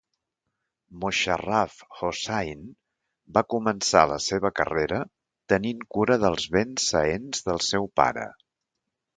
Mosharraf Hossain va començar la seva carrera tenint cura dels béns seents del seu pare.